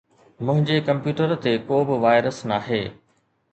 منهنجي ڪمپيوٽر تي ڪو به وائرس ناهي